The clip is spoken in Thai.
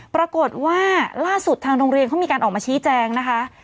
ปรากฏว่าล่าสุดทางโรงเรียนเขามีการออกมาชี้แจงนะคะ